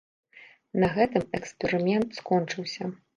На гэтым эксперымент скончыўся.